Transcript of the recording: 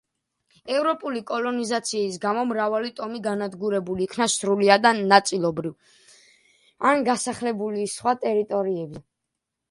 ევროპული კოლონიზაციის გამო მრავალი ტომი განადგურებულ იქნა სრულად ან ნაწილობრივ, ან გასახლებული სხვა ტერიტორიებზე.